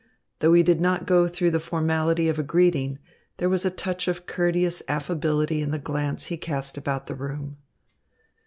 Though he did not go through the formality of a greeting, there was a touch of courteous affability in the glance he cast about the room.